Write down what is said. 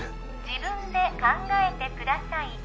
自分で考えてください